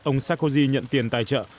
ông sarkozy nhận tiền tài trợ